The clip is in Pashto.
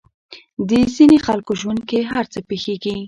د ځينې خلکو ژوند کې هر څه پېښېږي.